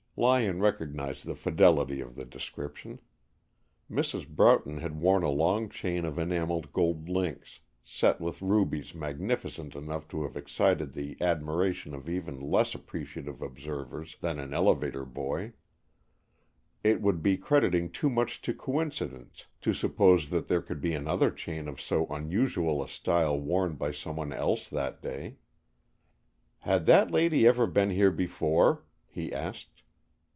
Lyon recognized the fidelity of the description. Mrs. Broughton had worn a long chain of enameled gold links, set with rubies magnificent enough to have excited the admiration of even less appreciative observers than an elevator boy. It would be crediting too much to coincidence to suppose that there could be another chain of so unusual a style worn by someone else that day. "Had that lady ever been here before?" he asked.